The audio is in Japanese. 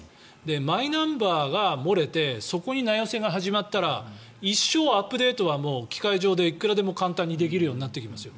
マイナンバーが漏れてそこに名寄せが始まったら一生アップデートは機械上でいくらでも簡単にできるようになっていきますよ。